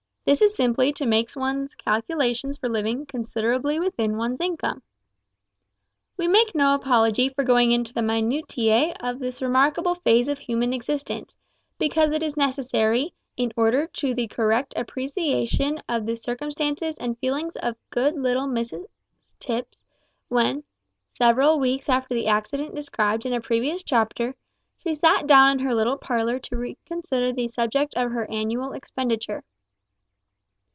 This is simply to make one's calculations for living considerably within one's income! We make no apology for going into the minutiae of this remarkable phase of human existence, because it is necessary, in order to the correct appreciation of the circumstances and feelings of good little Mrs Tipps, when, several weeks after the accident described in a previous chapter, she sat down in her little parlour to reconsider the subject of her annual expenditure.